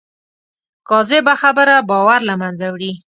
کاذبه خبره باور له منځه وړي